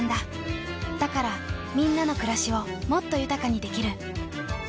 だからみんなの暮らしをもっと豊かにできる。